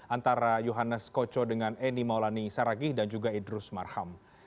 antara yohannes koco dengan eni maulani saragih dan juga idrus marham